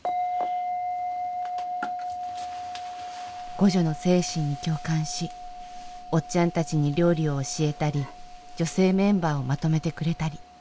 互助の精神に共感しおっちゃんたちに料理を教えたり女性メンバーをまとめてくれたり。